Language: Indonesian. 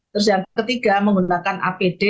terus yang ketiga menggunakan apd